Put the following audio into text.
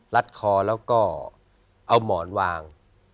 รัดคอแล้วก็เอาหมอนวาง